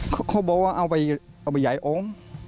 เขาบอกว่าเอาไปใหญ่องค์